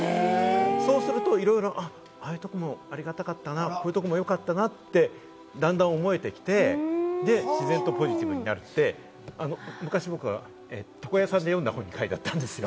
そうすると、いろいろ、ああいうとこもありがたかったな、こういうところもよかったなって段々、思えてきて自然とポジティブになるって昔、僕は床屋さんで読んだ本に書いてあったんですよ。